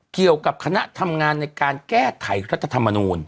เกี่ยวกับคณะทำงานในการแก้ไขรัฐธรรมนูล